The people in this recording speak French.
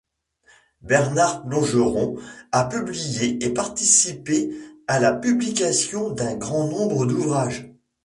Bernard Plongeron a publié et participé à la publication d'un grand nombre d'ouvrages.